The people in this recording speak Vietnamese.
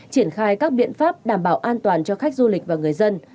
triển khai các biện pháp đảm bảo an toàn cho khách du lịch và người dân